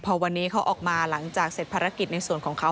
พอวันนี้เขาออกมาหลังจากเสร็จภารกิจในส่วนของเขา